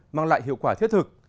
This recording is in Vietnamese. mang lại hiệu quả thiết thực